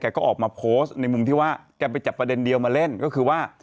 ก็ออกมาโพสต์ในมุมที่ว่าแกไปจับประเด็นเดียวมาเล่นก็คือว่า